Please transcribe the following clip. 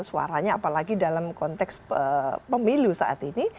suaranya apalagi dalam konteks pemilu saat ini